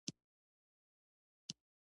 ترموز د موټر چایو ته ګټور دی.